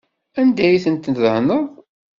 Anda ay ten-tdehneḍ?